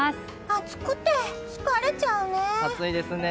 暑くて疲れちゃうね。